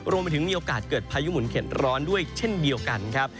มีโอกาสเกิดพายุหมุนเข็ดร้อนด้วยเช่นเดียวกันครับ